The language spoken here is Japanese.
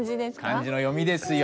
漢字の読みですよ。